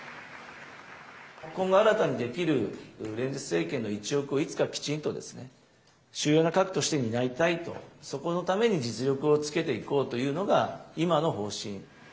今後、新たに出来る連立政権の一翼を、いつかきちんとですね、主要な核として担いたいと、そこのために実力をつけていこうというのが今の方針。